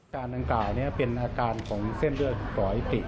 ดังกล่าวนี้เป็นอาการของเส้นเลือดฝอยติ